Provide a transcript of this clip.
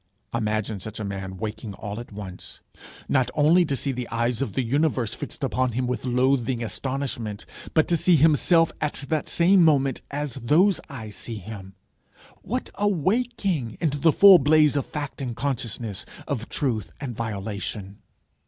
Imagine such a man waking all at once, not only to see the eyes of the universe fixed upon him with loathing astonishment, but to see himself at the same moment as those eyes see him! What a waking! into the full blaze of fact and consciousness, of truth and violation!